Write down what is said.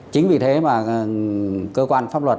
chính vì thế mà cơ quan pháp luật